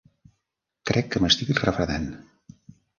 Crec que m'estic refredant.